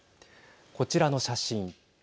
こちらの写真。